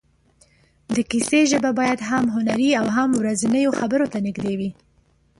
د کیسې ژبه باید هم هنري او هم ورځنیو خبرو ته نږدې وي.